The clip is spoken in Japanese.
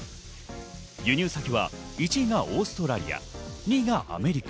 輸入先は１位がオーストラリア２位がアメリカ。